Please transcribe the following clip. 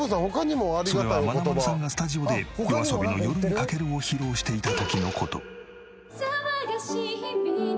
それはまなまるさんがスタジオでＹＯＡＳＯＢＩの『夜に駆ける』を披露していた時の事。